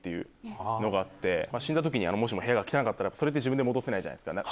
死んだ時に部屋が汚かったら自分で戻せないじゃないですか。